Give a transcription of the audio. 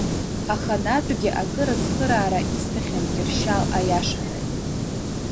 Аханатәгьы акыр ацхыраара исҭахьан Кьыршьал аиашаҳәаҩ.